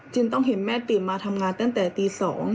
ต้องเห็นแม่ตื่นมาทำงานตั้งแต่ตี๒